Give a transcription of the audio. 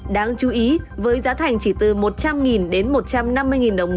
đáng chú ý với giá thành chỉ từ một trăm linh đến một trăm năm mươi đồng một